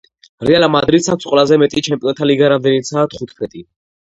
რეალ მადრიდს აქვს ყველაზე მეტი ჩემპიონთა ლიგა რამდენიცაა თხუთმეტი